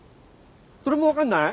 それも分かんない？